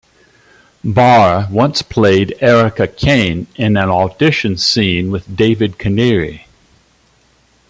Barr once played Erica Kane in an audition scene with David Canary.